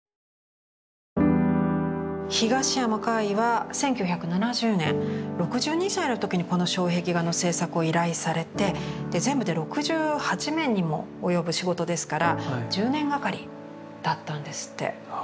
東山魁夷は１９７０年６２歳の時にこの障壁画の制作を依頼されて全部で６８面にも及ぶ仕事ですから１０年がかりだったんですって。